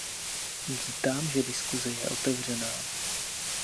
Vítám, že diskuse je otevřená.